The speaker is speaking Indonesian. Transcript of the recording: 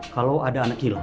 kalau ada anak kilang